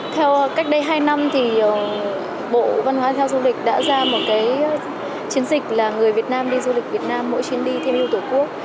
theo cách đây hai năm thì bộ văn hóa theo du lịch đã ra một chiến dịch là người việt nam đi du lịch việt nam mỗi chuyến đi thêm yêu tổ quốc